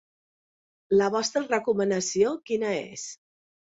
La vostra recomanació quina és?